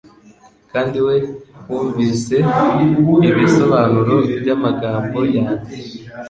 Kandi we wunvise ibisobanuro byamagambo yanjye